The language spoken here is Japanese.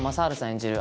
演じる